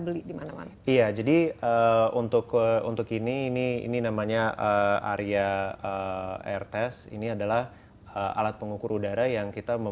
beli dimana mana iya jadi untuk untuk ini ini namanya area air test ini adalah alat pengukur udara yang kita